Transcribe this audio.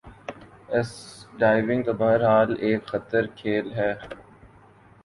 اسک diving تو بہر حال ایک خطر کھیل ہے